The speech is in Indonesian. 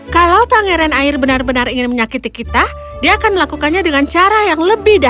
kalau pangeran air benar benar ingin menyakiti kita dia akan melakukannya dengan cara yang lebih baik